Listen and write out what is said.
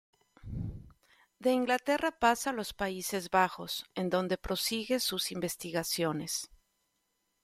De Inglaterra, pasa a los Países Bajos, en donde prosigue sus investigaciones.